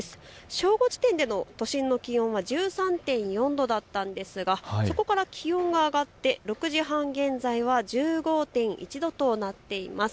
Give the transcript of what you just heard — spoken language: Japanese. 正午時点での都心の気温は１３．４度だったんですがそこから気温が上がって６時半現在の今は１５．１度となっています。